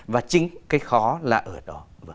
và chính cái khó là ở đó